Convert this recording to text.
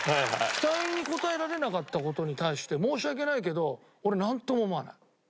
期待に応えられなかった事に対して申し訳ないけど俺なんとも思わない。